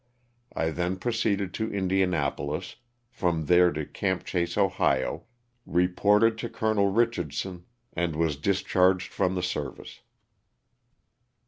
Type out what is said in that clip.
I then proceeded to Indianapolis, from there to "Camp Chase," Ohio, reported to Col. Richardson and was discharged from the service.